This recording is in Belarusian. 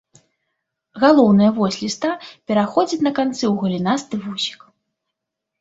Галоўная вось ліста пераходзіць на канцы ў галінасты вусік.